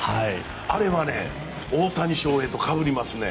あれは大谷翔平とかぶりますね。